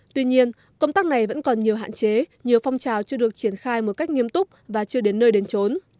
tuy nhiên công tác này vẫn còn nhiều hạn chế nhiều phong trào chưa được triển khai một cách nghiêm túc và chưa đến nơi đến trốn